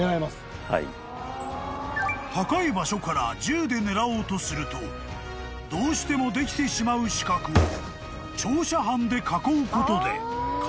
［高い場所から銃で狙おうとするとどうしてもできてしまう死角を長斜坂で囲うことで回避］